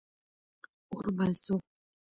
اور بل سو.